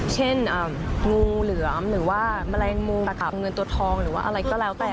เช่นงูเหลือมหรือว่าแมลงมูตะกับเงินตัวทองหรือว่าอะไรก็แล้วแต่